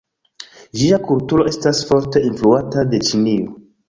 Ĝia kulturo estas forte influata de Ĉinio.